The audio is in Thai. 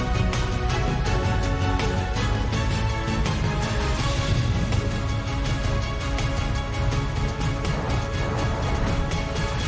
โปรดติดตามตอนต่อไป